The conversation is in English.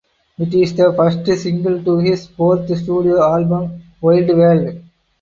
It is the first single to his fourth studio album "Wild World".